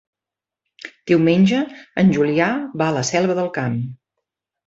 Diumenge en Julià va a la Selva del Camp.